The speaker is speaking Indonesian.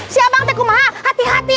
siapkan tegung hati hati